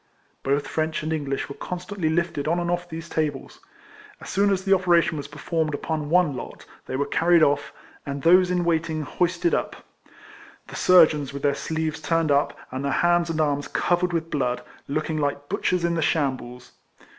Both French and English were constantly lifted on and off these tables. As soon as the operation was performed upon one lot, they were carried off, and those in waiting hoisted up: the surgeons with their sleeves turned up, and their hands and arms covered with blood, looking like butchers in the shambles.